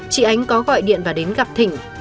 chị ánh có gọi điện và đến gặp thịnh